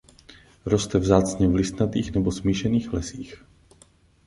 Roste vzácně v listnatých nebo smíšených lesích.